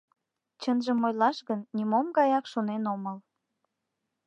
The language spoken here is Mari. Чынжым ойлаш гын, нимом гаяк шонен омыл.